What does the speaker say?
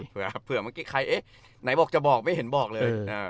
เผื่อเมื่อกี้ใครเอ๊ะไหนบอกจะบอกไม่เห็นบอกเลย